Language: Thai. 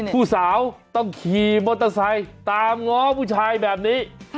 ผู้สาวต้องขี่มอเตอร์ไซค์ตามง้อผู้ชายแบบนี้